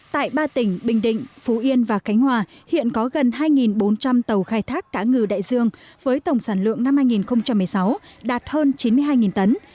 tại ba tỉnh bình định phú yên và khánh hòa hiện có gần hai bốn trăm linh tàu khai thác cá ngừ đại dương với tổng sản lượng năm hai nghìn một mươi sáu đạt hơn chín mươi hai tấn